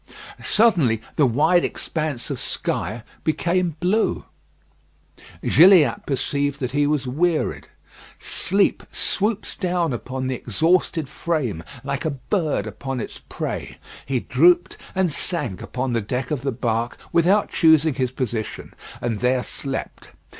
Suddenly the wide expanse of sky became blue. Gilliatt perceived that he was wearied. Sleep swoops down upon the exhausted frame like a bird upon its prey. He drooped and sank upon the deck of the bark without choosing his position, and there slept.